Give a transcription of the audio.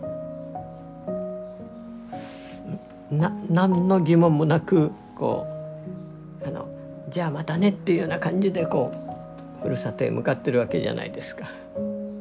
何の疑問もなくこうあのじゃあまたねっていうような感じでこうふるさとへ向かってるわけじゃないですか。